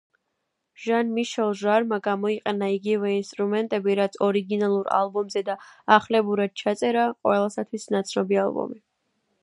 ჟან-მიშელ ჟარმა გამოიყენა იგივე ინსტრუმენტები, რაც ორიგინალურ ალბომზე და ახლებურად ჩაწერა ყველასათვის ნაცნობი ალბომი.